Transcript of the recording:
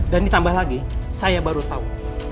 dan ditambah lagi saya baru tau